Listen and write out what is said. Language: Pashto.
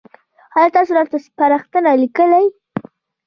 ایا تاسو راته سپارښتنه لیکئ؟